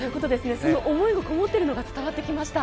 その思いがこもっているのが伝わりました。